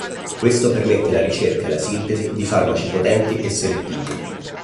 Questo permette la ricerca e la sintesi di farmaci potenti e selettivi.